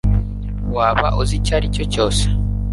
waba uzi icyo aricyo cyose